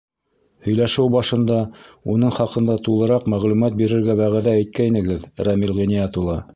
Һөйләшеү башында уның хаҡында тулыраҡ мәғлүмәт бирергә вәғәҙә иткәйнегеҙ, Рәмил Ғиниәт улы.